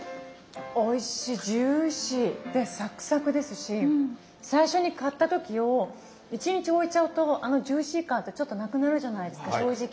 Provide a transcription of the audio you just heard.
おいしいジューシー。でサクサクですし最初に買った時を１日置いちゃうとあのジューシー感ってちょっとなくなるじゃないですか正直。